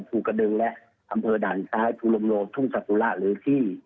ภูกระดึงและอำเภอด่านซ้ายภูลมโลทุ่งสตุระหรือที่